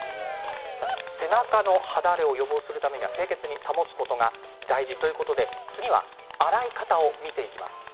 背中の肌荒れを予防するために清潔に保つことが大事だということで洗い方を見ていきます。